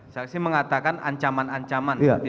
saksi mengatakan ancaman ancaman